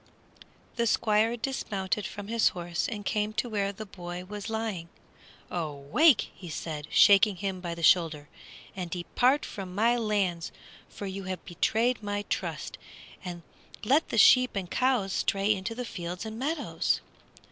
The Squire dismounted from his horse and came to where the boy was lying. "Awake!" said he, shaking him by the shoulder, "and depart from my lands, for you have betrayed my trust, and let the sheep and the cows stray into the fields and meadows!"